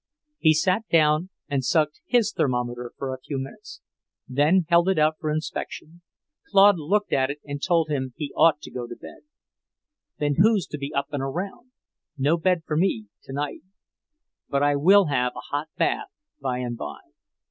He sat down and sucked his thermometer for a few minutes, then held it out for inspection. Claude looked at it and told him he ought to go to bed. "Then who's to be up and around? No bed for me, tonight. But I will have a hot bath by and by."